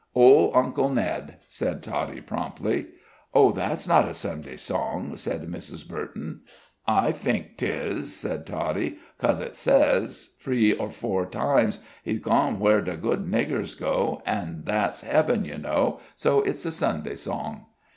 "Ole Uncle Ned," said Toddie, promptly. "Oh, that's not a Sunday song," said Mrs. Burton. "I fink tizh," said Toddie, "'cause it sayzh, free or four timezh, 'He's gone where de good niggers go,' an' that's hebben, you know; so it's a Sunday song."